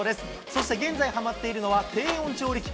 そして現在、はまっているのは低温調理器。